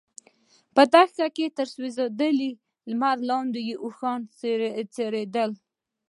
په دښته کې تر سوځنده لمر لاندې اوښان څرېدل.